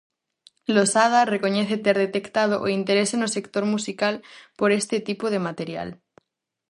Losada recoñece ter detectado o interese no sector musical por este tipo de material.